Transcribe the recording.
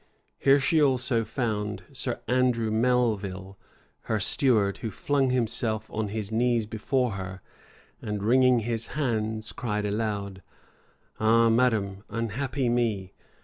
Here she also found Sir Andrew Melvil, her steward, who flung himself on his knees before her; and wringing his hands, cried aloud, "Ah, madam! unhappy me!